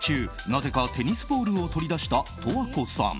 なぜかテニスボールを取り出した十和子さん。